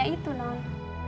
ya itu dong